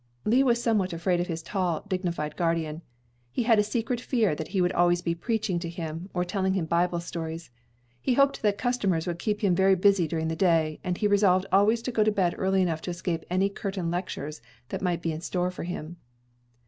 Lee was somewhat afraid of his tall, dignified guardian. He had a secret fear that he would always be preaching to him, or telling him Bible stories. He hoped that the customers would keep him very busy during the day, and he resolved always to go to bed early enough to escape any curtain lectures that might be in store for him.